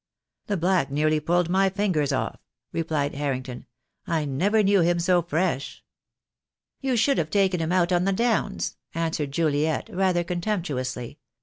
THE DAY WILL COME. $27 "The black nearly pulled my fingers off," replied Harrington. "I never knew him so fresh." "You should have taken it out of him on the downs," answered Juliet, rather contemptuously.